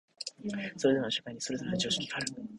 それぞれの社会にそれぞれの常識がある。